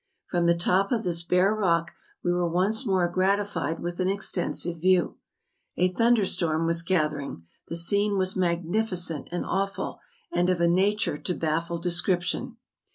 From the top of this bare rock we were once more gratified with an extensive view. A thunderstorm was gathering; the scene was magni¬ ficent and awful, and of a nature to baffle descrip¬ tion.